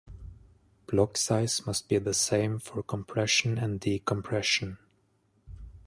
Block size must be the same for compression and decompression.